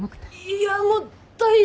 いやもう大渋滞！